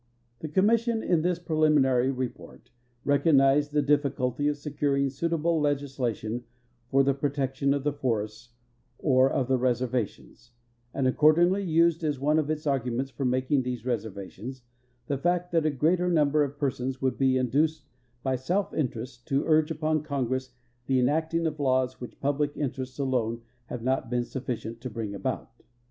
The commission in this preliminary report recognized the difficulty of securing suitable legislation for the protection of the forests or of the reservations, and accordingly used, as one of its arguments for making these reservations, the fact that a greater number of persons would be induced by self interest to urge upon Congress the enacting of laws which public interests alone have not been sufficient to bring about.